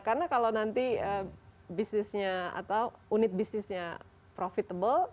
karena kalau nanti bisnisnya atau unit bisnisnya profitable